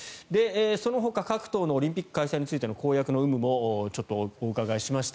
そのほか各党のオリンピック開催についての公約の有無もちょっとお伺いしました。